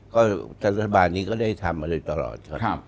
ก็ทัศนบาลนี้ก็ได้ทำมาเลยตลอด